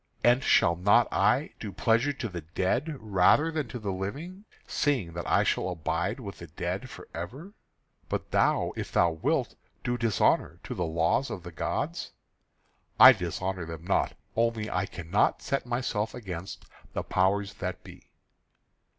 And shall not I do pleasure to the dead rather than to the living, seeing that I shall abide with the dead for ever? But thou, if thou wilt, do dishonour to the laws of the gods?" "I dishonour them not. Only I cannot set myself against the powers that be."